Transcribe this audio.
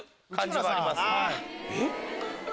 えっ？